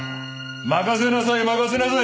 任せなさい任せなさい